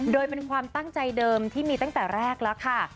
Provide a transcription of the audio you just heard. โดยเป็นความตั้งใจเดิมที่มีตั้งแต่แรกแล้วค่ะ